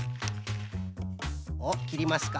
おっきりますか。